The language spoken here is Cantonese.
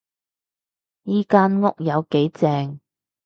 依間屋有幾靜